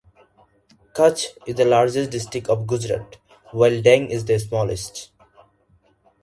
Kutch is the largest district of Gujarat while Dang is the smallest.